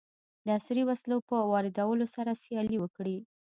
د عصري وسلو په واردولو سره سیالي وکړي.